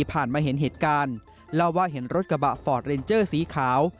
ผ่านมาเห็นเหตุการณ์เล่าว่าเห็นรถกระบะฟอร์ดเรนเจอร์สีขาว